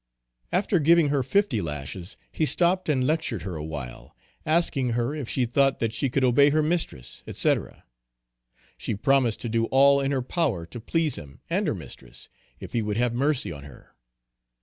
After giving her fifty lashes, he stopped and lectured her a while, asking her if she thought that she could obey her mistress, &c. She promised to do all in her power to please him and her mistress, if he would have mercy on her.